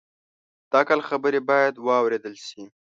د عقل خبرې باید واورېدل شي